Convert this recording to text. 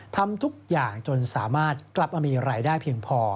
ทำทุกอย่างจนสามารถกลับมามีรายได้เพียงพอ